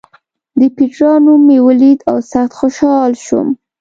د پېټرا نوم مې ولید او سخت خوشاله شوم.